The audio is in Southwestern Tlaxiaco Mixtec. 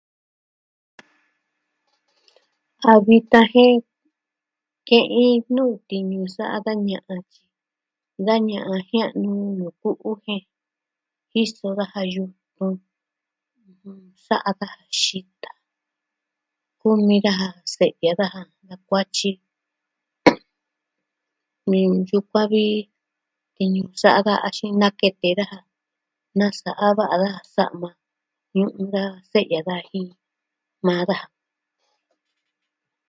A vi taji ke'in nuu tiñu sa'a da ña'an tyi... Da ña'a jia'nu nu ku'u jen jiso daja yutun, sa'a daja xita, kumi daja se'ya daja se'ya kuatyi. Yukuan vi tiñu sa'a daja axin nakete daja, nasa'a va'a daja sa'ma ñu'un daja se'ya daja jin maa daja.